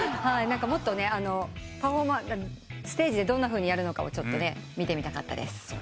もっとステージでどんなふうにやるのかを見てみたかったです。